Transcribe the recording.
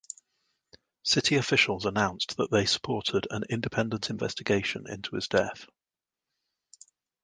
City officials announced that they supported an independent investigation into his death.